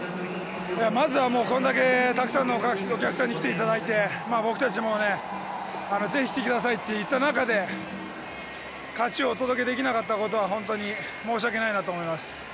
まずは、これだけたくさんのお客さんに来ていただいて僕たちもぜひ来てくださいと言った中で勝ちをお届けできなかったことは申し訳ないなと思います。